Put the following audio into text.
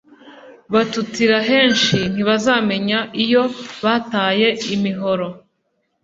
Batutira henshi ntibazamenya iyo bataye imihoro.